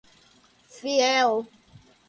fiel